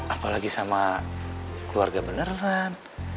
apalagi sama keluarga beneran